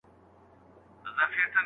آیا وینه تر اوبو غلیظه ده؟